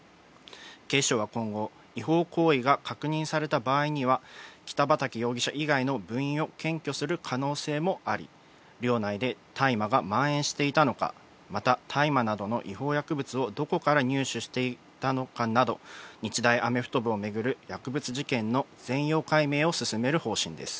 警視庁は今後、違法行為が確認された場合には、北畠容疑者以外の部員を検挙する可能性もあり、寮内で大麻がまん延していたのか、また、大麻などの違法薬物をどこから入手していたのかなど、日大アメフト部を巡る薬物事件の全容解明を進める方針です。